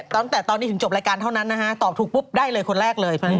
ตั้งแต่ตอนนี้ถึงจบรายการเท่านั้นนะฮะตอบถูกปุ๊บได้เลยคนแรกเลย